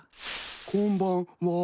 こんばんは。